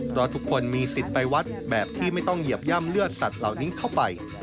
เพราะทุกคนมีสิทธิ์ไปวัดแบบที่ไม่ต้องเหยียบย่ำเลือดสัตว์เหล่านี้เข้าไป